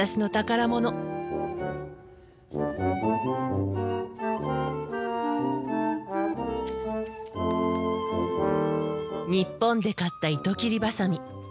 日本で買った糸切りばさみ。